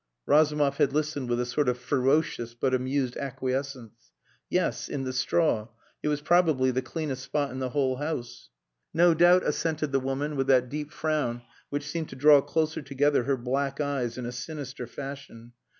Razumov had listened with a sort of ferocious but amused acquiescence. "Yes. In the straw. It was probably the cleanest spot in the whole house." "No doubt," assented the woman with that deep frown which seemed to draw closer together her black eyes in a sinister fashion.